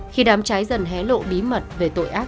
khi đám cháy dần hé lộ bí mật về tội ác